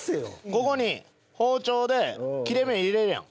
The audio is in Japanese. ここに包丁で切れ目入れるやん